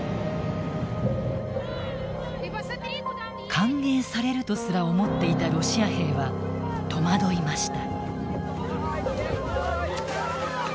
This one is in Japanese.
歓迎されるとすら思っていたロシア兵は戸惑いました。